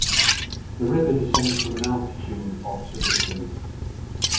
The river descends from an altitude of to the sea.